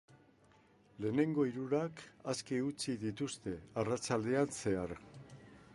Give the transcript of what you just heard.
Lehenengo hirurak aske utzi dituzte arratsaldean zehar.